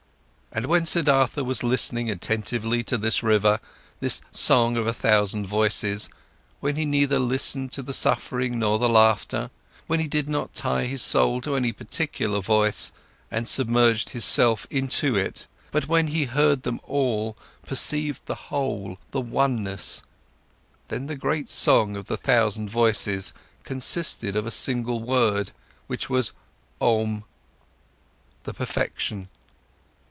And when Siddhartha was listening attentively to this river, this song of a thousand voices, when he neither listened to the suffering nor the laughter, when he did not tie his soul to any particular voice and submerged his self into it, but when he heard them all, perceived the whole, the oneness, then the great song of the thousand voices consisted of a single word, which was Om: the perfection.